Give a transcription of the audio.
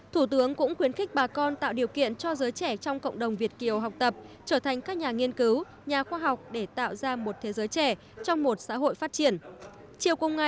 thủ tướng cũng khuyến khích bà con tạo điều kiện cho giới trẻ trong cộng đồng việt kiều học tập trở thành các nhà nghiên cứu nhà khoa học để tạo ra một thế giới trẻ trong một xã hội phát triển